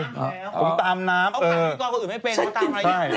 ผมตามน้ำ